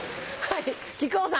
はい。